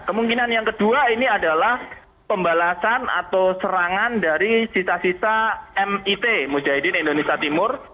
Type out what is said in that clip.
kemungkinan yang kedua ini adalah pembalasan atau serangan dari sisa sisa mit mujahidin indonesia timur